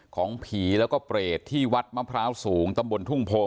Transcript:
ของผีแล้วก็เปรตที่วัดมะพร้าวสูงตำบลทุ่งโพง